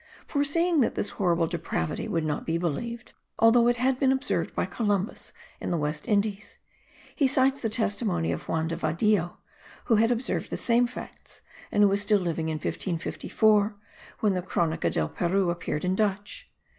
Foreseeing that this horrible depravity would not be believed, although it had been observed by Columbus in the West Indies, he cites the testimony of Juan de Vadillo, who had observed the same facts and who was still living in 1554 when the Cronica del Peru appeared in Dutch.